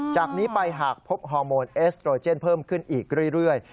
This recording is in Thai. จากนี้ไปหากพบฮอร์โมนเอสโตรเจนเพิ่มขึ้นอีกเรื่อย